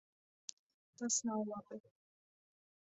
Tas nav labi.